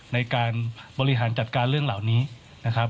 ในการบริหารจัดการเรื่องเหล่านี้นะครับ